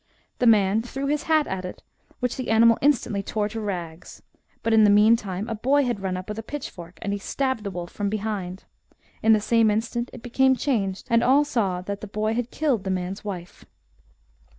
The man threw his hat at it, which the animal instantly tore to rags. But in the meantime a boy had run np with a pitchfork, and he stabbed the wolf from behind : in the same moment it became changed, and all saw that the boy had killed the man's wife.